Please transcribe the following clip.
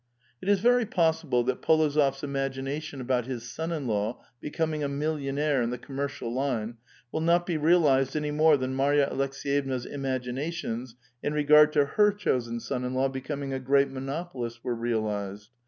It is very possible that P61ozof's imagination about his Bon in law becoming a millionaire in the commercial line will not be realized any more than Mary a Aleks^yevna's im aginations in regard to her chosen son in law becoming a great monopolist were realized.